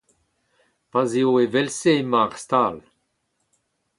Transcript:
pa'z eo evel-se emañ ar stal